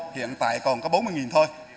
hiện tại còn có bốn mươi thôi